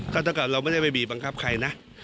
ถ้าเกิดเราไม่ได้ไปบีบังคับใครนะ